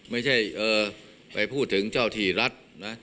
ไม่ใช่ไปพูดถึงเจ้าที่รัฐนะ